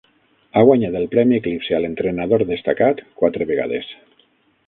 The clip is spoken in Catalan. Ha guanyat el premi Eclipse a l'entrenador destacat quatre vegades.